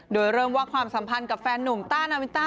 โดยเริ่มว่าความสัมพันธ์กับแฟนหนุ่มต้านาวินต้า